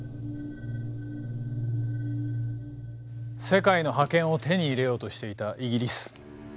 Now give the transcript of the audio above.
世界の覇権を手に入れようとしていたイギリス。